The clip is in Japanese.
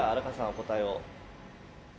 お答えを。